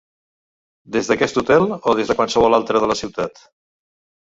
Des d'aquest hotel o des de qualsevol altre de la ciutat?